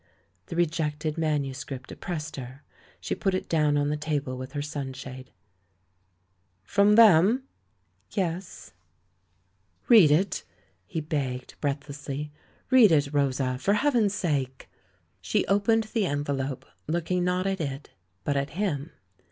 The rejected manuscript oppressed her ; she put it down on the table with her sunshade. "From them?" "Yes." 124. THE MAN WHO UNDERSTOOD WOMEN "Read it," he begged, breathlessly. "Read it, Rosa, for Heaven's sake!" She opened the envelope, looking not at it, but at him.